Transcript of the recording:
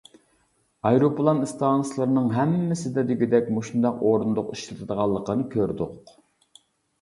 ئايروپىلان ئىستانسىلىرىنىڭ ھەممىسىدە دېگۈدەك مۇشۇنداق ئورۇندۇق ئىشلىتىدىغانلىقىنى كۆردۇق.